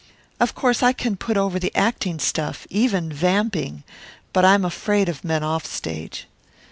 Of course I can put over the acting stuff, even vamping, but I'm afraid of men off stage.